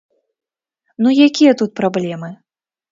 Ну якія тут праблемы?